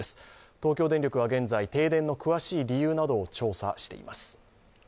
東京電力は現在、停電の詳しい理由を調査しています。